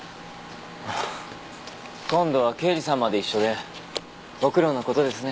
今度は刑事さんまで一緒でご苦労な事ですね。